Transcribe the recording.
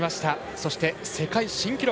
そして、世界新記録。